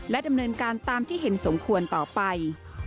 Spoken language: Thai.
ดำเนินการตามที่เห็นสมควรต่อไป